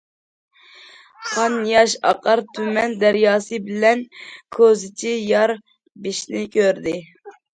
قان- ياش ئاقار تۈمەن دەرياسى بىلەن كوزىچى يار بېشىنى كۆردى.